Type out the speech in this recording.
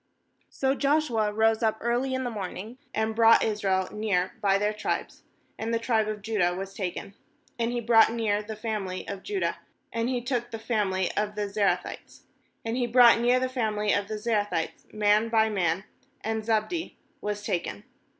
16So Joshuarose up early in the morn ing, and brought Israel near by their tribes; and the tribe of Judah was taken. 17And he brought near the family of Judah; and he took the family of the Zerahites. And he brought near the family of the Ze rahites man by man; and Zabdi was taken.